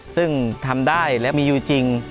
ซึ่งทำได้และมีอยู่จริง